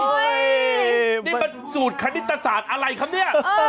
เฮ้ยนี่มันสูตรคณิตศาสตร์อะไรครับเนี่ย